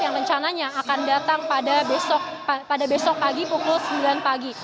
yang rencananya akan datang pada besok pagi pukul sembilan pagi